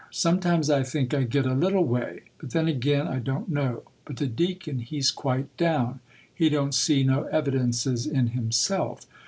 Sometimes I think I get a little way,—but then ag'in I don't know; but the Deacon he's quite down,—he don't see no evidences in himself.